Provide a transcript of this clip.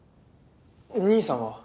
兄さんは？